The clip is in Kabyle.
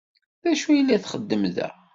D acu i la txeddem da?